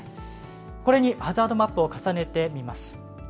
これにハザードマップを重ねてみます。